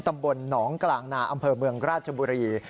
ตำบลหนองกลางนาอำเภอเมืองราชบุรี